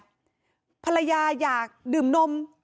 ชาวบ้านในพื้นที่บอกว่าปกติผู้ตายเขาก็อยู่กับสามีแล้วก็ลูกสองคนนะฮะ